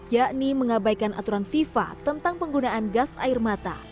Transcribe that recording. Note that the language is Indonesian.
yakni mengabaikan aturan fifa tentang penggunaan gas air mata